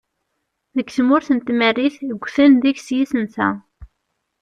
Deg tmurt n tmerrit ggten deg-s yisensa.